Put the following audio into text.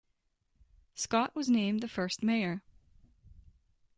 Scott was named the first mayor.